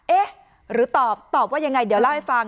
เอ๊ะหรือตอบตอบว่ายังไงเดี๋ยวเล่าให้ฟัง